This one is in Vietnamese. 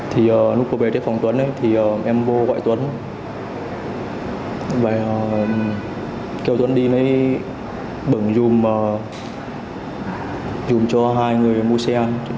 thì lúc cô về tới phòng tuấn thì em vô gọi tuấn và kêu tuấn đi lấy bẩn dùm cho hai người